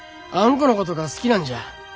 このことが好きなんじゃ。